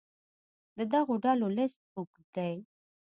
د دغو ډلو لست اوږد دی.